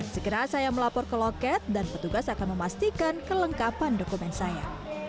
segera saya melapor ke loket dan petugas akan memastikan kelengkapan dokumen saya